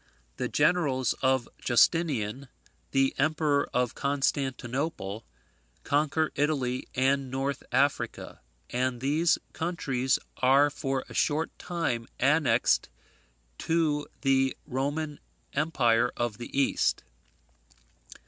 The generals of Justinian, the Emperor of Constantinople, conquer Italy and North Africa; and these countries are for a short time annexed to the Roman Empire of the East.